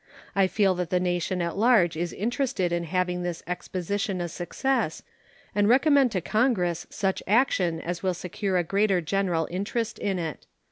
I feel that the nation at large is interested in having this exposition a success, and commend to Congress such action as will secure a greater general interest in it.